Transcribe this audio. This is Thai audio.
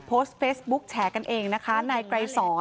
โทรโปส์เฟซบุ๊กแชร์กันเองนะคะ